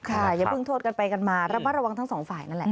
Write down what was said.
อย่าเพิ่งโทษกันไปกันมาระมัดระวังทั้งสองฝ่ายนั่นแหละ